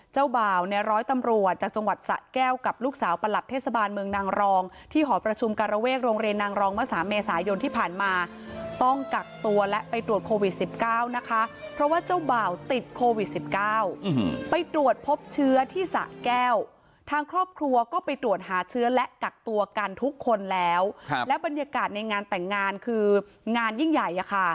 เจ้าบ่าวในร้อยตำรวจจากจังหวัดสะแก้วกับลูกสาวประหลัดเทศบาลมือค